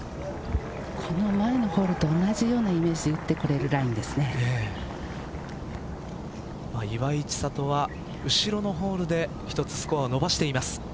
この前のホールと同じようなイメージで打ってこれる岩井千怜は後ろのホールで１つスコアを伸ばしています。